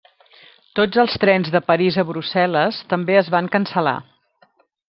Tots els trens de París a Brussel·les també es van cancel·lar.